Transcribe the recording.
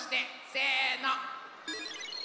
せの！